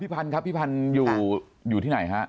พี่พันครับพี่พันอยู่ที่ไหนค่ะ